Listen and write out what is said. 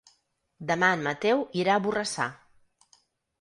Demà en Mateu irà a Borrassà.